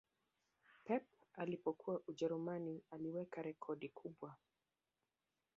pep alipokuwa ujerumani aliwekea rekodi kubwa